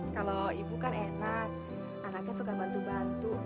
kalau ibu kan enak anaknya suka bantu bantu